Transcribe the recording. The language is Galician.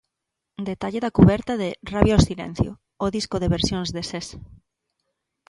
Detalle da cuberta de 'Rabia ao silencio', o disco de versións de Sés.